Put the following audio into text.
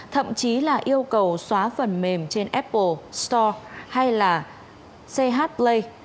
thậm chí là yêu cầu xóa phần mềm trên apple store hay là ch play